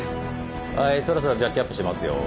はいそろそろジャッキアップしますよ。